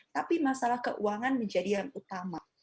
tapi masalah keuangan menjadi yang utama